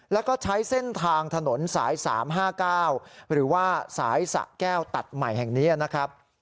แล้วก็ใช้เส้นทางถนนสาย๓๕๙หรือว่าสายสะแก้วตัดใหม่แห่งนี้นะครับ